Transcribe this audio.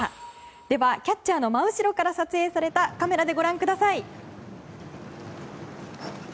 では、キャッチャーの真後ろから撮影されたカメラでご覧ください。